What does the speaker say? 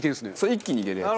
一気にいけるやつ。